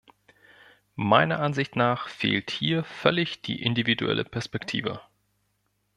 Meiner Ansicht nach fehlt hier völlig die individuelle Perspektive.